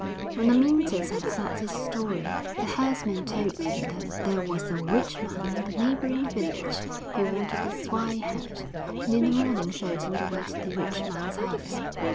When Amyntas had said his story, the herdsman told him that there was a rich man in the neighbouring village who wanted a swineherd, and in the morning showed him the way to the rich man's house.